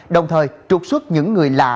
đồng thời trục xuất những người lạ